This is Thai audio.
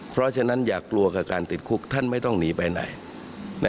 เพราะฉะนั้นอย่ากลัวกับการติดคุกท่านไม่ต้องหนีไปไหน